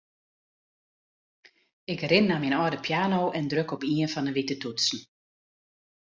Ik rin nei myn âlde piano en druk op ien fan 'e wite toetsen.